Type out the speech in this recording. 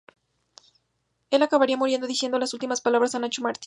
Él acabará muriendo diciendo las últimas palabras a Nacho Martín.